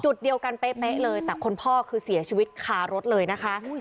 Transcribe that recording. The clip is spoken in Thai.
จุดเดียวกันเป๊ะเลยแต่คนพ่อคือเสียชีวิตคารถเลยนะคะ